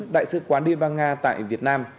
đại sứ quán liên bang nga tại việt nam